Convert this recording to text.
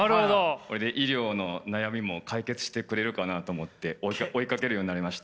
それで医療の悩みも解決してくれるかなと思って追いかけるようになりました。